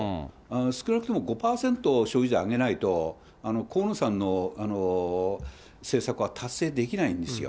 少なくとも５％消費税上げないと、河野さんの政策は達成できないんですよ。